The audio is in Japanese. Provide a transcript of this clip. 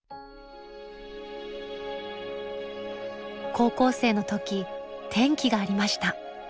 高校生の時転機がありました。